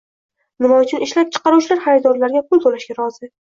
Nima uchun ishlab chiqaruvchilar xaridorlarga pul to'lashga rozi?